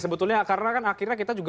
sebetulnya karena kan akhirnya kita juga